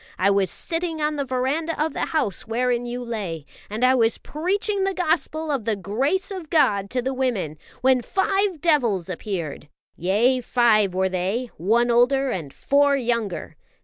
I was sitting on the verandah of the house wherein you lay, and I was preaching the Gospel of the grace of God to the women, when five devils appeared. Yea, five were they, one older and four younger.